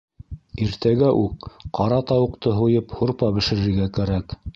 Иртәгә үк ҡара тауыҡты һуйып һурпа бешерергә кәрәк.